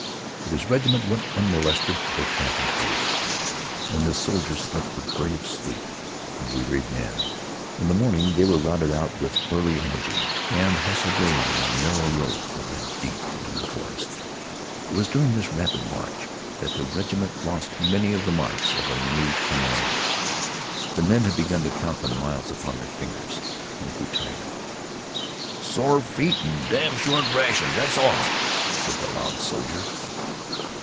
But his regiment went unmolested to a camping place, and its soldiers slept the brave sleep of wearied men. In the morning they were routed out with early energy, and hustled along a narrow road that led deep into the forest. It was during this rapid march that the regiment lost many of the marks of a new command. The men had begun to count the miles upon their fingers, and they grew tired. "Sore feet an' damned short rations, that's all," said the loud soldier.